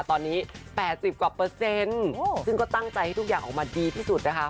ตอนนี้๘๐กว่าเปอร์เซ็นต์ซึ่งก็ตั้งใจให้ทุกอย่างออกมาดีที่สุดนะคะ